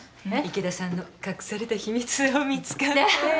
池田さんの隠された秘密見つかった？